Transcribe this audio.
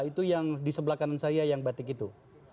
itu yang di sebelah kanan saya yang batik itu